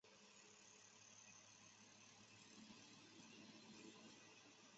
主教座堂的建筑形式很大程度上取决于它们作为主教驻地的仪式功能。